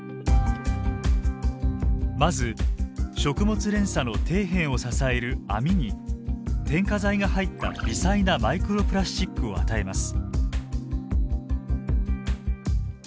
まず食物連鎖の底辺を支えるアミに添加剤が入った微細なマイクロプラスチックを与えます。